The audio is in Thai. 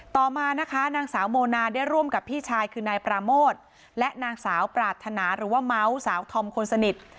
ต่อมานะคะนางสาวโมนาได้ร่วมกับพี่ชายคือนายปราโมทและนางสาวปรารถนาหรือว่าเมาส์สาวธอมคนสนิท